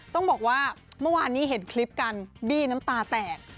ต้องบอกว่าเมื่อวานนี้เห็นคลิปกันบี้น้ำตาแตก